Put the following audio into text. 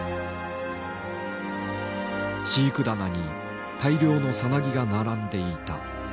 飼育棚に大量のさなぎが並んでいた。